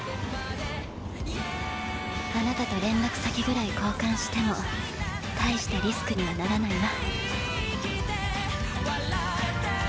あなたと連絡先ぐらい交換しても大したリスクにはならないわ。